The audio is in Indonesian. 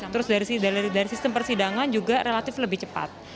terus dari sistem persidangan juga relatif lebih cepat